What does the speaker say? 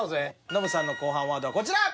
ノブさんの後半ワードはこちら。